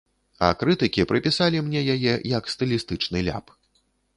А крытыкі прыпісалі мне яе як стылістычны ляп.